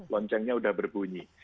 loncengnya sudah berbunyi